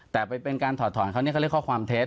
แต่เป็นการถอดถอนเขาเนี่ยเขาเรียกข้อความเท็จ